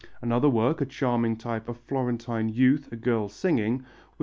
Another work, a charming type of Florentine youth, a girl singing, was sold to M.